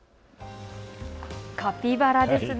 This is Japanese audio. カピバラですね。